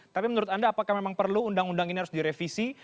tapi menurut anda apakah memang perlu undang undang ini harus direvisi